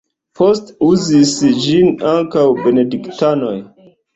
Poste uzis ĝin ankaŭ benediktanoj.